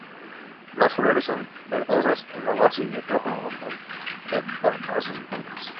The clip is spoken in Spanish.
Las flores son verdosas en la base y rojo o magenta a sus puntas.